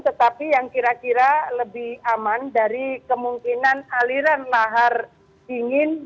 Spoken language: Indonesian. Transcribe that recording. tetapi yang kira kira lebih aman dari kemungkinan aliran lahar dingin